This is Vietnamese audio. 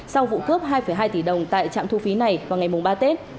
sau vụ cướp hai hai tỷ đồng tại trạm thu phí này vào ngày ba tết